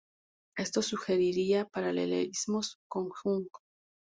Esto sugeriría paralelismos con Jung.